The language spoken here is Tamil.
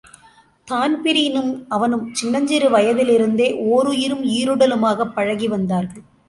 தான்பிரீனும் அவனும் சின்னஞ்சிறு வயதிலிருந்தே ஓருயிரும் ஈருடலுமாகப் பழகிவந்தார்கள்.